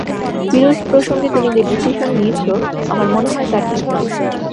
ফিরোজ প্রসঙ্গে তুমি যে ডিসিসন নিয়েছ, আমার মনে হয় তা ঠিক নয়।